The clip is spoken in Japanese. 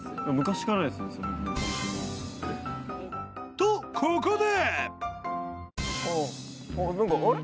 ［とここで］